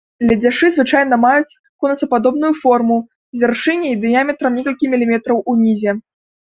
Ледзяшы звычайна маюць конусападобную форму з вяршыняй дыяметрам некалькі міліметраў унізе.